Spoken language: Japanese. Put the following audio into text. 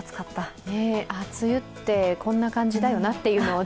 梅雨ってこんな感じだよなというのを